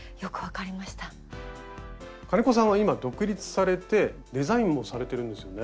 金子さんは今独立されてデザインもされてるんですよね？